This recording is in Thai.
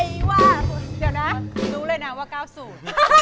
มาด้วยเพลงนี้รู้เลยนะว่าเก้าสูน